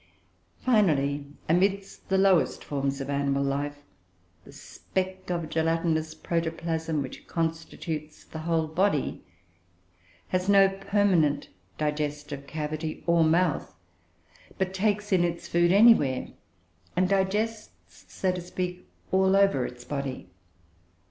Finally, amidst the lowest forms of animal life, the speck of gelatinous protoplasm, which constitutes the whole body, has no permanent digestive cavity or mouth, but takes in its food anywhere; and digests, so to speak, all over its body.